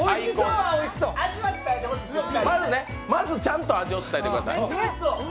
まずちゃんと味を伝えてください。